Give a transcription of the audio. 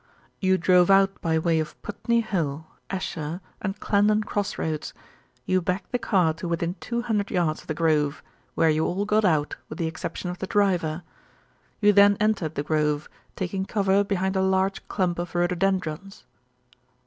"You drove out by way of Putney Hill, Esher, and Clandon Cross Roads. You backed the car to within two hundred yards of 'The Grove,' where you all got out with the exception of the driver. You then entered 'The Grove,' taking cover behind a large clump of rhododendrons."